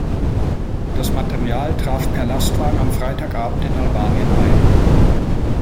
Das Material traf per Lastwagen am Freitagabend in Albanien ein.